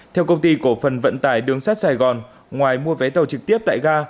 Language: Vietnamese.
theo công ty cổ phần vận tải đường sắt sài gòn ngoài mua vé tàu trực tiếp tại ga